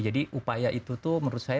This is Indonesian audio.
jadi upaya itu tuh menurut saya